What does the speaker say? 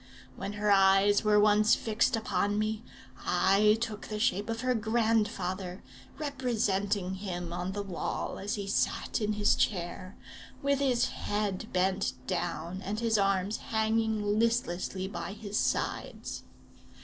When her eyes were once fixed upon me, I took the shape of her grandfather, representing him on the wall as he sat in his chair, with his head bent down and his arms hanging listlessly by his sides.